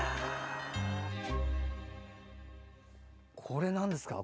これ、なんですか？